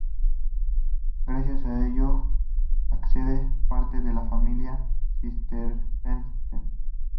Gracias a ello, hacen parte de la familia cisterciense.